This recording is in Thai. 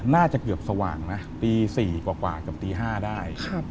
น่าจะเกือบสว่างนะปี๔กว่ากว่ากับปี๕ได้